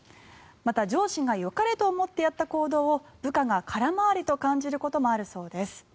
また、上司がよかれと思ってやった行動を部下が空回りと感じることもあるそうです。